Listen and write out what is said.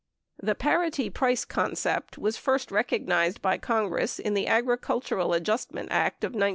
80 The parity price concept was first recognized by Congress in the Agricultural Adjustment Act of 1933.